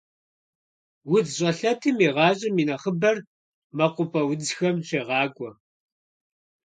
УдзщӀэлъэтым и гъащӀэм и нэхъыбэр мэкъупӀэ удзхэм щегъакӀуэ.